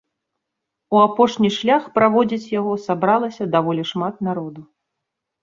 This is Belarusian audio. У апошні шлях праводзіць яго сабралася даволі шмат народу.